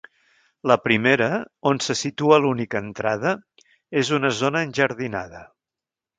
La primera, on se situa l'única entrada, és una zona enjardinada.